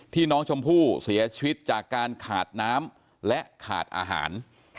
ที่น้องชมพู่เสียชีวิตจากการขาดน้ำและขาดอาหาร